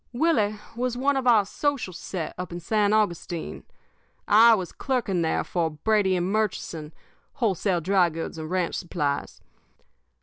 "Willie was one of our social set up in San Augustine. I was clerking there then for Brady & Murchison, wholesale dry goods and ranch supplies.